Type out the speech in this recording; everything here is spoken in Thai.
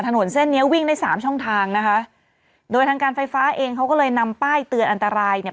ถนนเส้นเนี้ยวิ่งได้สามช่องทางนะคะโดยทางการไฟฟ้าเองเขาก็เลยนำป้ายเตือนอันตรายเนี่ย